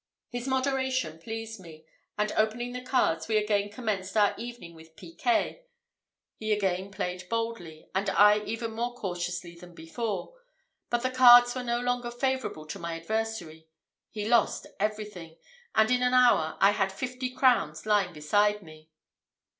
His moderation pleased me, and, opening the cards, we again commenced our evening with piquet. He again played boldly, and I even more cautiously than before; but the cards were no longer favourable to my adversary, he lost everything, and in an hour I had fifty crowns lying beside me.